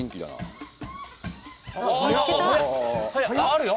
あるよ！